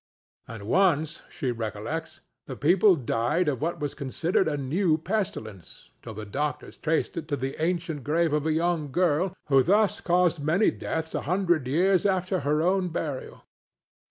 And once, she recollects, the people died of what was considered a new pestilence, till the doctors traced it to the ancient grave of a young girl who thus caused many deaths a hundred years after her own burial.